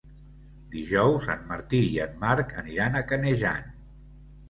Dijous en Martí i en Marc aniran a Canejan.